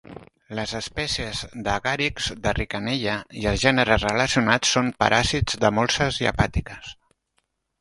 Les espècies d'agàrics de Rickenella i els gèneres relacionats són paràsits de molses i hepàtiques.